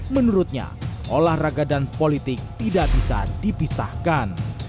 menurutnya olahraga dan politik tidak bisa dipisahkan